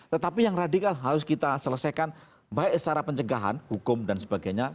tetapi yang radikal harus kita selesaikan baik secara pencegahan hukum dan sebagainya